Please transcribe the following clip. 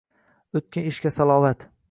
О’tgan ishga salovat!